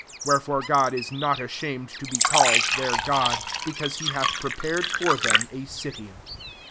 Wherefore God is not ashamed to be called their God : because he hath pre pared for them a city.